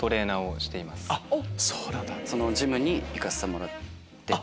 そのジムに行かせてもらって。